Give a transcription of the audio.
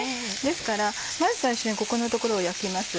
ですからまず最初にここの所を焼きます。